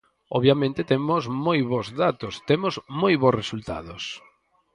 Obviamente temos moi bos datos, temos moi bos resultados.